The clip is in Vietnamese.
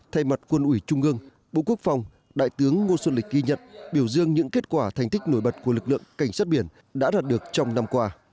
thay mặt quân ủy trung ương bộ quốc phòng đại tướng ngô xuân lịch ghi nhận biểu dương những kết quả thành tích nổi bật của lực lượng cảnh sát biển đã đạt được trong năm qua